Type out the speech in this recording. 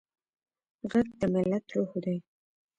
غږ د ملت روح دی